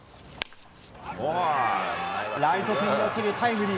ライト線に落ちるタイムリー。